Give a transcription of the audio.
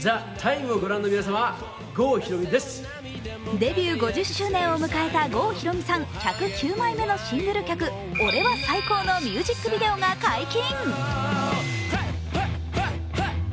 デビュー５０周年を迎えた郷ひろみさん、１０９枚目のシングル曲、「俺は最高！！！」のミュージックビデオが解禁。